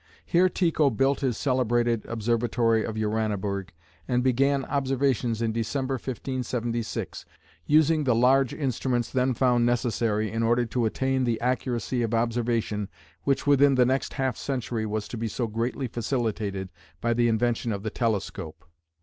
Here Tycho built his celebrated observatory of Uraniborg and began observations in December, 1576, using the large instruments then found necessary in order to attain the accuracy of observation which within the next half century was to be so greatly facilitated by the invention of the telescope.